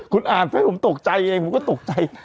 คุณอ่านไปให้ผมตกใจไงผมก็ตกใจ